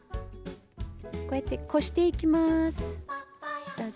こうやってこしていきます。